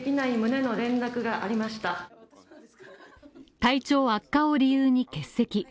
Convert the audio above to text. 体調悪化を理由に欠席